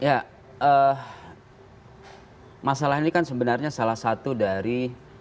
ya masalah ini kan sebenarnya salah satu dari